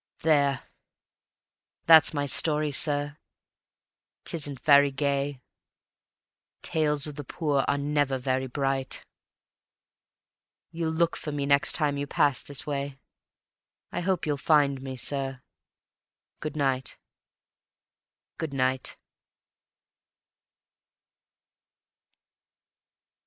There, that's my story, sir; it isn't gay. Tales of the Poor are never very bright ... You'll look for me next time you pass this way ... I hope you'll find me, sir; good night, good night.